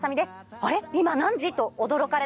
あれ？